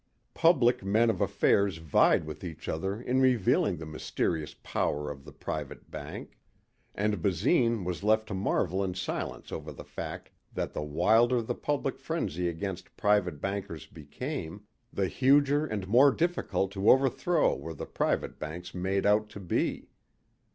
Public men of affairs vied with each other in revealing the mysterious power of the private bank. And Basine was left to marvel in silence over the fact that the wilder the public frenzy against private bankers became, the huger and more difficult to overthrow were the private bankers made out to be.